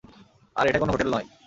আর এটা কোনো হোটেল নয়।